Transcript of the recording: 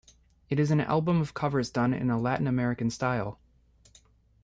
It is an album of covers done in a Latin American style.